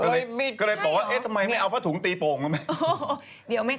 เลยตอบว่าเอ๊ะทำไมไม่เอาแผ่นถุงตีโปงเลย